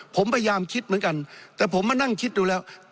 ผมพยายามคิดเหมือนกันแต่ผมมานั่งคิดดูแล้ว